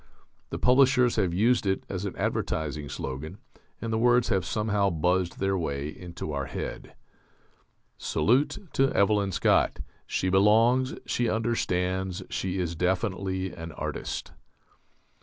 The publishers have used it as an advertising slogan, and the words have somehow buzzed their way into our head: "Salute to Evelyn Scott: she belongs, she understands, she is definitely an artist."